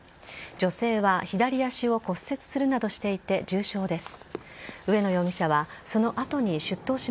女性は左足を骨折するなどしていて重傷です。